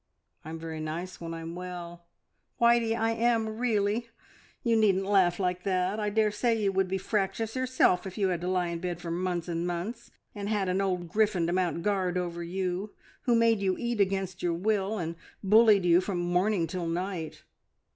I'm very nice when I'm well, Whitey I am really! You needn't laugh like that. I daresay you would be fractious yourself if you had to lie in bed for months and months, and had an old griffin to mount guard over you, who made you eat against your will, and bullied you from morning till night...